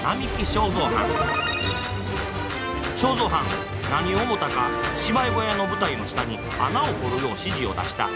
正三はん何を思たか芝居小屋の舞台の下に穴を掘るよう指示を出した。